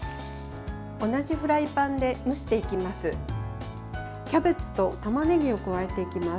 同じフライパンで蒸していきます。